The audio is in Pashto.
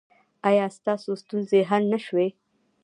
ایا ستاسو ستونزې حل نه شوې؟